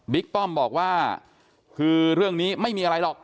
ป้อมบอกว่าคือเรื่องนี้ไม่มีอะไรหรอก